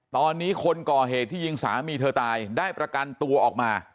ตอนนี้คนก่อเหตุที่ยิงสามีเธอตายได้ประกันตัวออกมา